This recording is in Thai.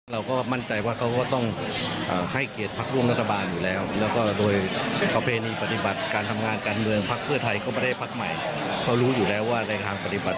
แล้วเราก็ไม่ได้ติดใจเรื่องพวกนี้